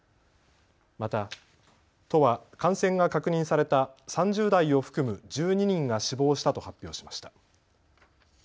また都は感染が確認された３０代を含む１２人が死亡したと発表しました。